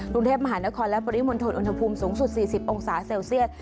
กรุงเทพมหานครและปริมณฑลอุณหภูมิสูงสุด๔๐องศาเซลเซียส